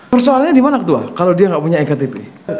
persoalannya dimana aktual kalau dia gak punya ektp